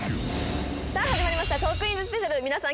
さあ始まりました『トークィーンズＳＰ』皆さん